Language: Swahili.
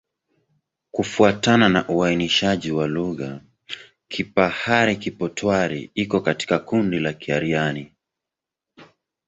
Kufuatana na uainishaji wa lugha, Kipahari-Kipotwari iko katika kundi la Kiaryan.